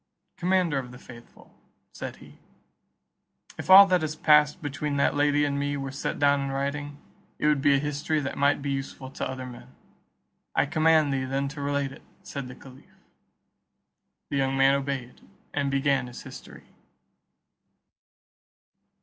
"Commander of the faithful," said he, "if all that has past between that lady and me were set down in writing, it would be a history that might be useful to other men." "I command thee then to relate it," said the caliph. The young man obeyed, and began his history.